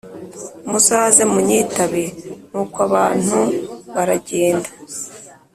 muzaze munyitabe Nuko abantu baragenda